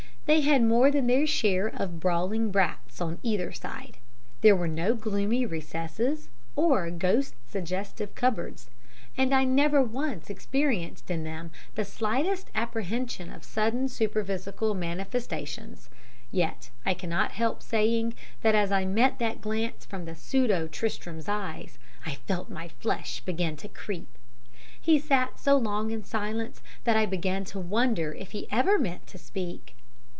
They had more than their share of "brawling brats" on either side; there were no gloomy recesses or ghost suggestive cupboards, and I never once experienced in them the slightest apprehension of sudden superphysical manifestations, yet I cannot help saying that as I met that glance from the pseudo Tristram's eyes I felt my flesh begin to creep. He sat for so long in silence that I began to wonder if he ever meant to speak.